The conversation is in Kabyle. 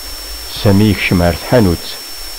Sami yekcem ar tḥanutt.